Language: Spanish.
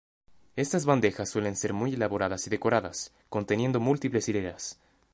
Estas bandejas suelen ser muy elaboradas y decoradas, conteniendo múltiples hileras.